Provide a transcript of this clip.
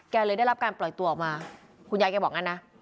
เลยได้รับการปล่อยตัวออกมาคุณยายแกบอกงั้นนะ